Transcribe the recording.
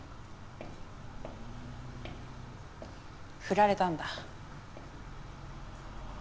振られたんだ？